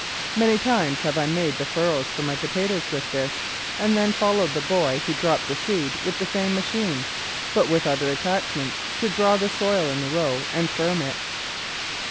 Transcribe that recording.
Many times have I made the furrows for my po tatoes with this, and then followed the boy who dropped the seed with the same machine, but with other attachments to draw the soil in the row and firm it.